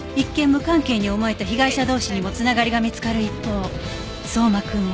無関係に思えた被害者同士にもつながりが見つかる一方相馬くんは